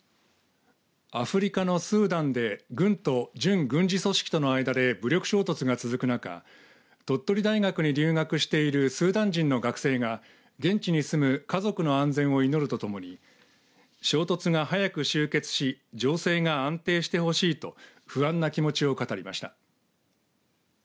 アフリカのスーダンで軍と準軍事組織との間で武力衝突が続く中鳥取大学に留学しているスーダン人の学生が現地に住む家族の安全を祈るとともに衝突が早く終結し情勢が安定してほしいと不安な気持ちを語りました。